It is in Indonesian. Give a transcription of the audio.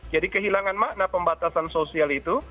jadi kehilangan makna pembatasan sosial itu